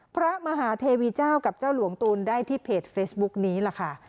พระมหาเทวีเจ้ากับเจ้าหลวงตูนได้ที่เพจเฟซบุ๊คนี้ล่ะค่ะ